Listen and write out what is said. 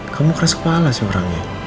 kamu keras kepala sih orangnya